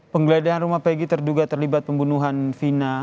penggeledahan rumah pegi terduga terlibat pembunuhan vina